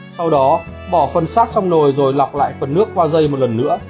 sau đó bỏ phần sát trong nồi rồi lọc lại phần nước qua dây một lần nữa